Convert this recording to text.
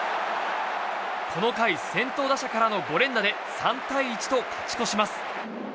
この回、先頭打者からの５連打で３対１と勝ち越します。